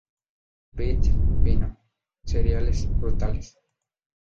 Vid, vino; cereales, frutales.